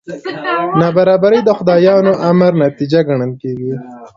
نابرابري د خدایانو د امر نتیجه ګڼل کېږي.